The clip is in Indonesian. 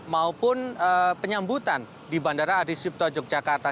maupun penyambutan di bandara adiswipto yogyakarta